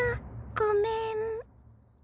ごめん。